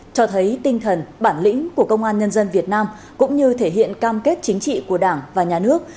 cho thấy tinh thần bản lĩnh của công an nhân dân việt nam cũng như thể hiện cam kết chính trị của đảng và nhà nước